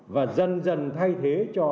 và dần dần thay thế cho